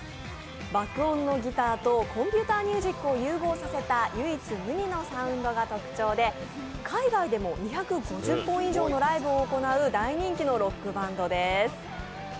爆音のギターとコンピューターミュージックを融合させた唯一無二のサウンドが特徴で海外でも２５０本以上のライブを行う大人気のロックバンドです。